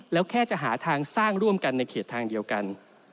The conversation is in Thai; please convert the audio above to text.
แล้วแค่จะหาทางสร้างร่วมกันในเขตทางเดียวกัน